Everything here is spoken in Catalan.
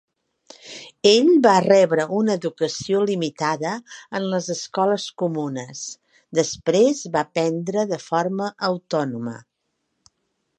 Ell va rebre una educació limitada en les escoles comunes, després va aprendre de forma autònoma.